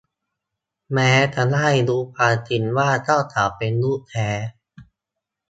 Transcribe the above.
แม้จะได้รู้ความจริงว่าเจ้าสาวเป็นลูกแท้